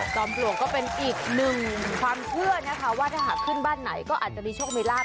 ปลวกก็เป็นอีกหนึ่งความเชื่อนะคะว่าถ้าหากขึ้นบ้านไหนก็อาจจะมีโชคมีลาบ